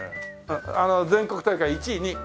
全国大会１位２位。